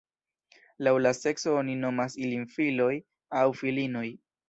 Laŭ la sekso oni nomas ilin filoj aŭ filinoj.